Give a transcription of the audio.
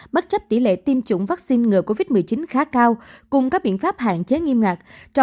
bất chấp tỷ lệ tiêm chủng vaccine ngừa covid một mươi chín khá cao cùng các biện pháp hạn chế nghiêm ngặt